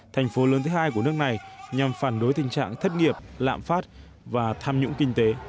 thành phố lớn thứ hai của nước này nhằm phản đối tình trạng thất nghiệp lạm phát và tham nhũng kinh tế